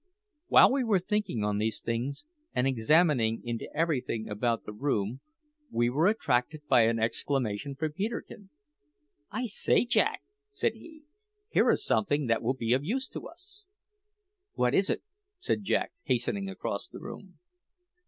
While we were thinking on these things, and examining into everything about the room, we were attracted by an exclamation from Peterkin. "I say, Jack," said he, "here is something that will be of use to us." "What is it?" said Jack, hastening across the room.